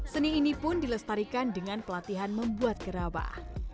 seni ini pun dilestarikan dengan pelatihan membuat gerabah